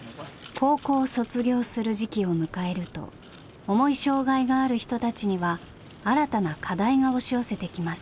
高校を卒業する時期を迎えると重い障害がある人たちには新たな課題が押し寄せてきます。